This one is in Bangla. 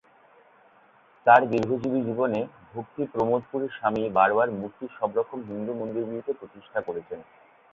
তার দীর্ঘজীবী জীবনে, ভক্তি প্রমোদ পুরী স্বামী বার বার মুর্তি সবরকম হিন্দু মন্দিরগুলিতে প্রতিষ্ঠা করেছেন।